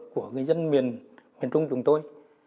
của người dân miền trung chúng tôi